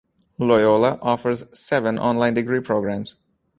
Loyola offers seven online degree programs.